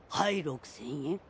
はい６，０００円。